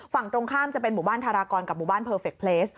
ฝั่งตรงข้ามจะเป็นหมู่บ้านธารากรกับหมู่บ้านเพอร์เฟคเพลส